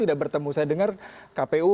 sudah bertemu saya dengar kpu